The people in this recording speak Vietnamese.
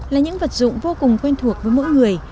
là những vật dụng vô cùng quen thuộc với mỗi người